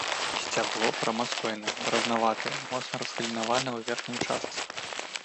Сцябло прамастойнае, баразнаватае, моцна разгалінаванае ў верхняй частцы.